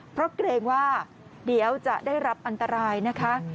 เพราะเกรงว่าเดี๋ยวจะได้รับอันตรายนะคะ